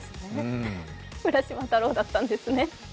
浦島太郎だったんですね。